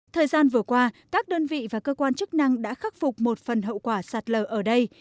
thời gian vừa qua các đơn vị và cơ quan chức năng đã khắc phục một phần hậu quả sạt lở ở đây